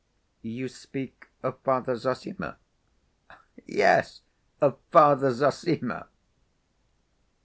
"You speak of Father Zossima?" "Yes, of Father Zossima."